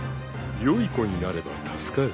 ［良い子になれば助かる］